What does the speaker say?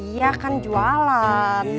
iya kan jualan